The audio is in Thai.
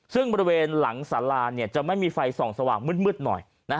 ซึ่งบริเวณหลังสาราจะไม่มีไฟส่องสว่างมืดหน่อย